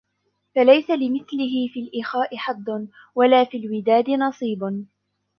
فَلَيْسَ لِمِثْلِهِ فِي الْإِخَاءِ حَظٌّ وَلَا فِي الْوِدَادِ نَصِيبٌ